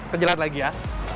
perjalan lagi ya